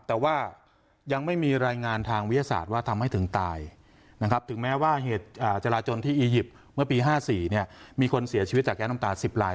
แต่ว่ายังไม่มีรายงานทางวิทยาศาสตร์ว่าทำให้ถึงตายนะครับถึงแม้ว่าเหตุจราจนที่อียิปต์เมื่อปี๕๔มีคนเสียชีวิตจากแก๊สน้ำตาล๑๐ลาย